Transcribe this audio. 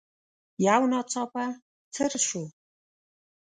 يو ناڅاپه څررر شو.